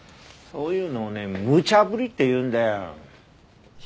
そういうのをねむちゃぶりって言うんだよ。